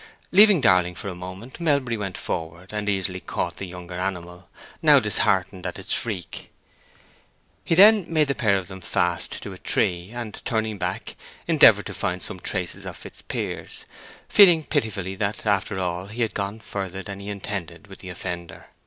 Leaving Darling for a moment, Melbury went forward and easily caught the younger animal, now disheartened at its freak. He then made the pair of them fast to a tree, and turning back, endeavored to find some trace of Fitzpiers, feeling pitifully that, after all, he had gone further than he intended with the offender.